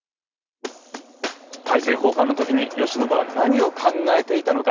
大政奉還の時に慶喜は何を考えていたのか。